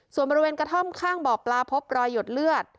ส่วนบริเวณกระท่อมข้างบ่อปลาพบรอยหยดเลือด